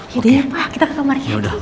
yaudah ya kita ke kamarnya